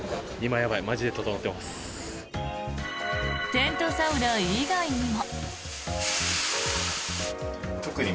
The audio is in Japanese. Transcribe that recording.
テントサウナ以外にも。